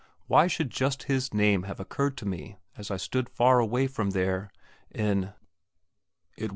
Why should just his name have occurred to me as I stood far away from there in Vaterland?